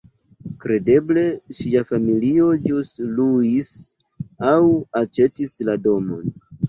Kredeble ŝia familio ĵus luis aŭ aĉetis la domon.